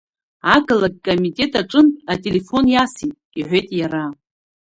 Ақалақь комитет аҿынтә ателефон иасит, — иҳәеит иара.